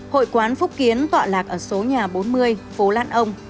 hội quán phúc kiến tọa lạc ở số nhà bốn mươi phố lan ông